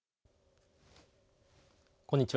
こんにちは。